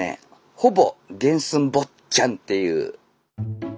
ほぼ原寸坊っちゃんっていう。